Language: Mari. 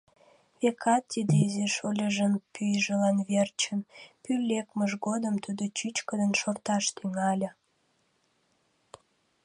Векат, тиде изи шольыжын пӱйжылан верчын, пӱй лекмыж годым тудо чӱчкыдын шорташ тӱҥале.